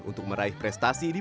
untuk meraih prestasi diberikan